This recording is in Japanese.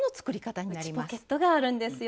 内ポケットがあるんですよ。